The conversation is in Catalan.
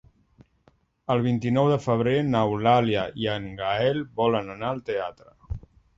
El vint-i-nou de febrer n'Eulàlia i en Gaël volen anar al teatre.